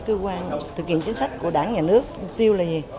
chúng tôi muốn là thực hiện chính sách của đảng nhà nước mục tiêu là gì